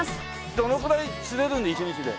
どのくらい釣れる？一日で。